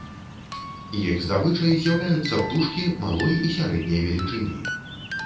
Іх здабычай з'яўляюцца птушкі малой і сярэдняй велічыні.